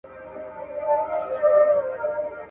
او فنونو زدکړه او پالنه په ښه توګه تر سره کولای سي